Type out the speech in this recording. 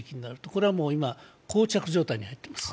これは今こう着状態に入っています。